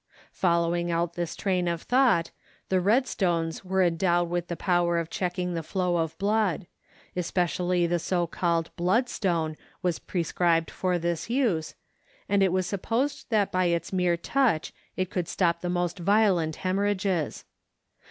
Following out this train of thought, the red stones were endowed with the power of checking the flow of blood; especially the so called bloodstone was prescribed for this use, and it was supposed that by its mere touch it could stop the most violent hemorrhages.